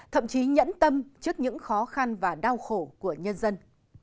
thậm chí nhẫn tâm trước những khó khăn và đau khổ của nhân dân